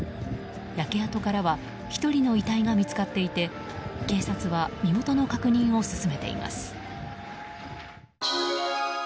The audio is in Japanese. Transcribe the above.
焼け跡からは１人の遺体が見つかっていて警察は身元の確認を進めています。